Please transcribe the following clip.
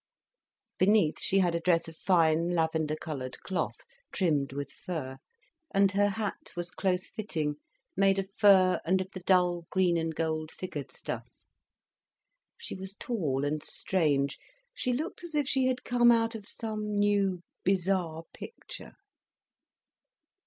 Beneath she had a dress of fine lavender coloured cloth, trimmed with fur, and her hat was close fitting, made of fur and of the dull, green and gold figured stuff. She was tall and strange, she looked as if she had come out of some new, bizarre picture.